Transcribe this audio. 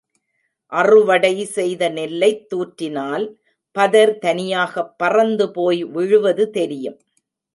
அறுவடை செய்த நெல்லைத் தூற்றினால் பதர் தனியாகப் பறந்து போய் விழுவது தெரியும்.